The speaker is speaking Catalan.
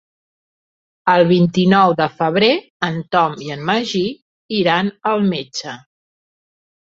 El vint-i-nou de febrer en Tom i en Magí iran al metge.